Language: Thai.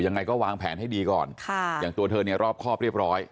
ยังไงก็วางแผนให้ดีก่อนค่ะอย่างตัวเธอเนี่ยรอบครอบเรียบร้อย